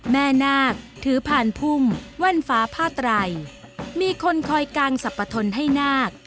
นาคถือผ่านพุ่มแว่นฟ้าผ้าไตรมีคนคอยกางสรรพทนให้นาค